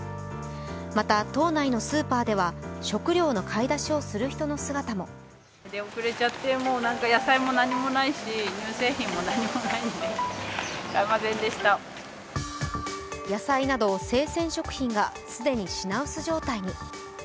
また島内のスーパーでは食料の買い出しをする人の姿も野菜など生鮮食品が既に品薄状態に。